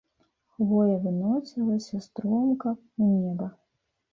Хвоя выносілася стромка ў неба.